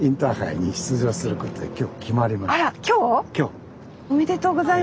おめでとうございます。